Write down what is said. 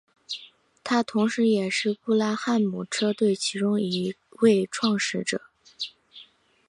他同时也是布拉汉姆车队其中一位创始者。